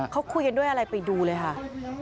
เขาคุยกันด้วยอะไรไปดูเลยค่ะ